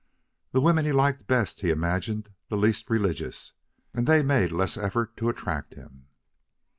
The women he liked best he imagined the least religious, and they made less effort to attract him.